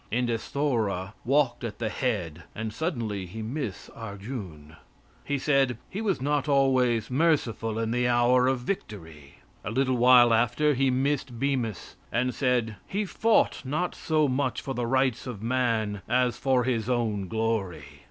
Endesthora walked at the head and suddenly he missed Argune. He said, "He was not always merciful in the hour of victory." A little while after he missed Bemis, and said, "He fought not so much for the rights of man as for his own glory."